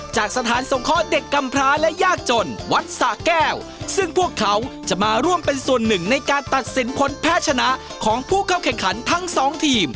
จากสถานสงเคราะห์เด็กกำพร้าและยากจนวัดสะแก้วซึ่งพวกเขาจะมาร่วมเป็นส่วนหนึ่งในการตัดสินผลแพ้ชนะของผู้เข้าแข่งขันทั้งสองทีม